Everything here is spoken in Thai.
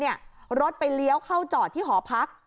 รถไปเลี้ยวเข้าจอดที่หอพัก